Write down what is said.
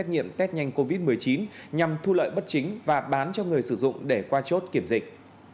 công an tp sadec đã xét nghiệm test nhanh covid một mươi chín nhằm thu lợi bất chính và bán cho người sử dụng để qua chốt kiểm dịch